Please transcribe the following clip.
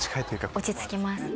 落ち着きます。